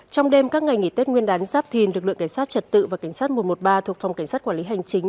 trong đêm các ngày nghỉ tết nguyên đán giáp thìn lực lượng cảnh sát trật tự và cảnh sát một trăm một mươi ba thuộc phòng cảnh sát quản lý hành chính